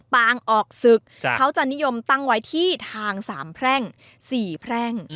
ปางออกศึกเขาจะนิยมตั้งไว้ที่ทางสามแพร่ง๔แพร่ง